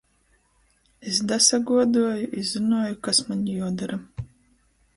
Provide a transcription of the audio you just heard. Es dasaguoduoju i zynuoju, kas maņ juodora.